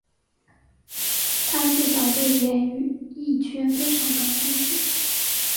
她自小对演艺圈非常感兴趣。